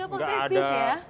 enggak posesif ya